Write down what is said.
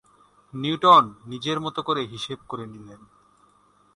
Newton নিজের মত করে হিসেব করে নিলেন।